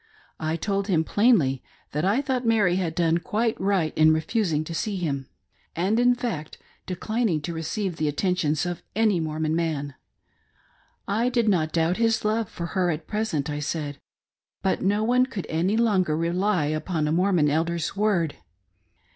I told him plainly tha,t I thought Mary had done quite right in, refusing to see him. ONE OF eve's. 165 and, in fact, declining to receive the attentions of any Mor mon man. I dfd not doubt his love for her at present, I said, but no one could any longer rely upon a Mormon Elder's if ord.